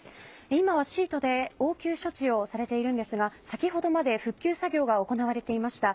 今はシートで応急処置をされているんですが先ほどまで復旧作業が行われていました。